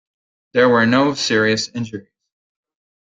There were no serious injuries.